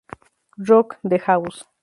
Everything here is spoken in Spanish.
Rock the House!